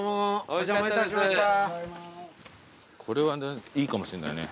これはいいかもしれないね